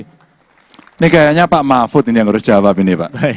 ini kayaknya pak mahfud ini yang harus jawab ini pak